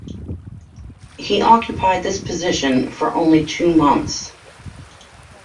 He occupied this position for only two months.